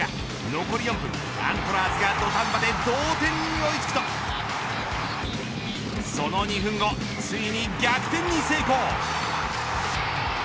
残り４分アントラーズが土壇場で同点に追い付くとその２分後、ついに逆転に成功。